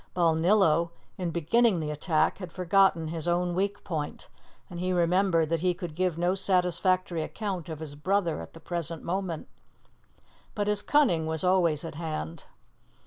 Balnillo, in beginning the attack, had forgotten his own weak point, and he remembered that he could give no satisfactory account of his brother at the present moment. But his cunning was always at hand.